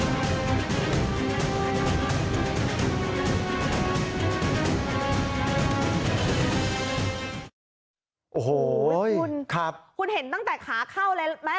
โอ้โหคุณคุณเห็นตั้งแต่ขาเข้าเลยไหม